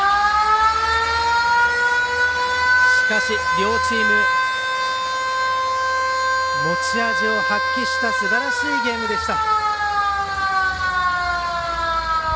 両チーム持ち味を発揮したすばらしいゲームでした。